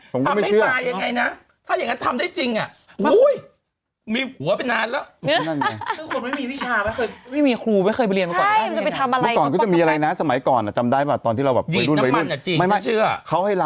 คุณแม่ก็โทรหาเขาเอาเลยพระเอกดวงพระยายเย็นน่ะคุณแม่ก็โทรหาเขาเอาเลยพระเอกดวงพระยายเย็นน่ะ